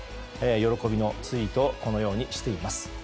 喜びのツイートをこのようにしています。